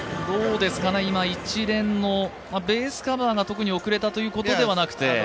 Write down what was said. どうですか、今、一連のベースカバーが特に遅れたということではなくて？